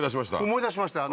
思い出しました